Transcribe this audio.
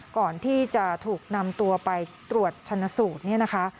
ก่อนที่จะถูกนำตัวไปตรวจชนสูตรเนี่ยนะคะ